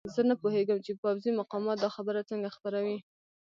زه نه پوهېږم چې پوځي مقامات دا خبره څنګه خپروي.